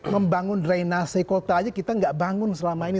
membangun drainase kota aja kita nggak bangun selama ini